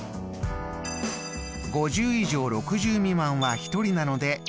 ５０以上６０未満は１人なので１。